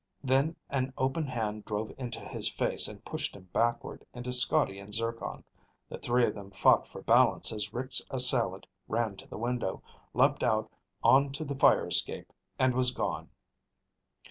Then an open hand drove into his face and pushed him backward into Scotty and Zircon. The three of them fought for balance as Rick's assailant ran to the window, leaped out on to the fire escape, and was gone.